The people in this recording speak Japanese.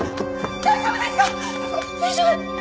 大丈夫？